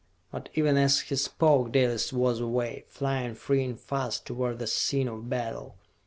But even as he spoke, Dalis was away, flying free and fast toward the scene of battle.